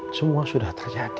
semua sudah terjadi